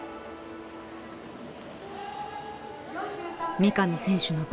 三上選手の番。